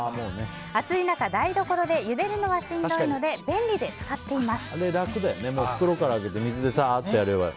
暑い中、台所でゆでるのはしんどいので便利で使っています。